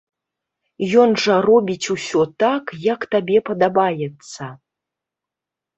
Ён жа робіць усё так, як табе падабаецца.